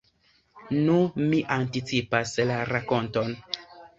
Nu, mi anticipas la rakonton.